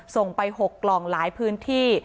ส่งไป๖กล่องหลายพื้นที่